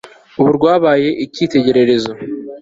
ubu rwabaye icyitegererezo